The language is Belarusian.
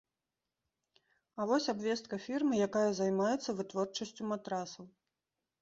А вось абвестка фірмы, якая займаецца вытворчасцю матрасаў.